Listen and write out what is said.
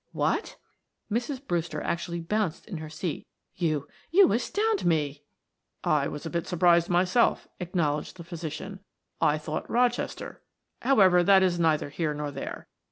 "What!" Mrs. Brewster actually bounced in her seat. "You you astound me!" "I was a bit surprised myself," acknowledged the physician. "I thought Rochester however, that is neither here nor there.